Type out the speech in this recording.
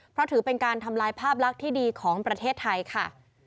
เพราะถือเป็นการทำลายภาพลักษณ์ที่ดีของประเทศไทยค่ะ